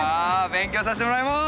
勉強させてもらいます！